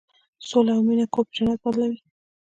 سوله او مینه کور په جنت بدلوي.